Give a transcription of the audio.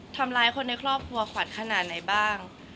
ทำร้ายคนในครอบครัวขวัญขนาดไหนบ้าง